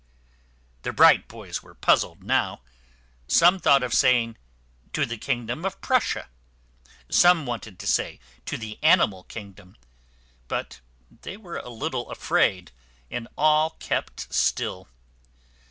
The bright boys were puz zled now. Some thought of saying, "To the kingdom of Prussia." Some wanted to say, "To the animal kingdom." But they were a little afraid, and all kept still.